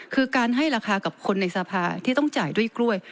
คือการให้ราคากับคนในสภาที่ต้องจ่ายด้วยกล้วย